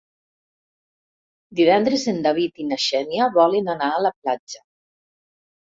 Divendres en David i na Xènia volen anar a la platja.